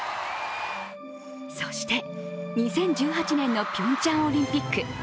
そして２０１８年のピョンチャンオリンピック。